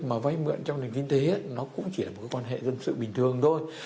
mà vay mượn trong nền kinh tế nó cũng chỉ là một quan hệ dân sự bình thường thôi